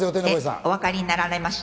お分かりになられました？